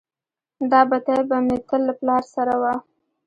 دا بتۍ به مې تل له پلار سره وه.